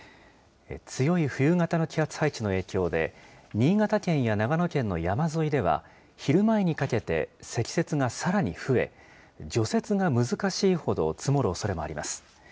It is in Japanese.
強い冬型の気圧配置の影響で、新潟県や長野県の山沿いでは、昼前にかけて積雪がさらに増え、除雪が難しいほど積もるおそれもあります。